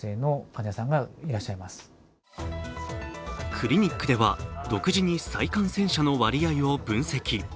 クリニックでは独自に再感染者の割合を分析。